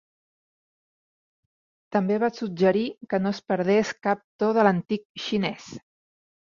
També va suggerir que no es perdés cap to de l'antic xinès.